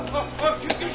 救急車！